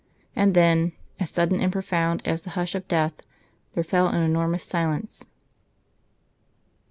And then, as sudden and profound as the hush of death, there fell an enormous silence.